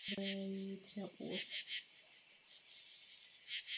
Léčba karcinomu děložního hrdla závisí na stádiu onemocnění.